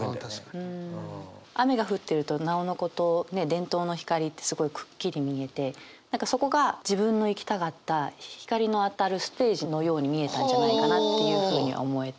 雨が降ってるとなおのことねっ電灯の光ってすごいくっきり見えて何かそこが自分の行きたかった光の当たるステージのように見えたんじゃないかなっていうふうに思えて。